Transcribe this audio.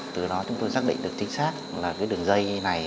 từ đó chúng tôi xác định được chính xác là cái đường dây này